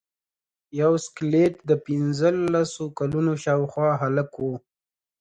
یو سکلیټ د پنځلسو کلونو شاوخوا هلک و.